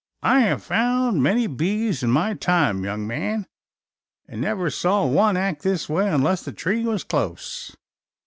"I have found many bees in my time, young man, an' never saw one act this way unless the tree was close.